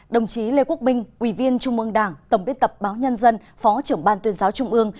đồng chí lê quốc minh quỳ viên trung ương đảng tổng biên tập báo nhân dân phó trưởng ban tuyên giáo trung ương